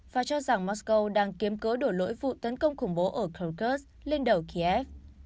và cho rằng moscow đang kiếm cớ đổ lỗi vụ tấn công khủng bố ở kharkov lên đầu kiev